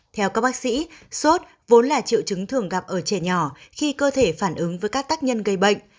theo các bác sĩ sốt vốn là triệu chứng thường gặp ở trẻ nhỏ khi cơ thể phản ứng với các tác nhân gây bệnh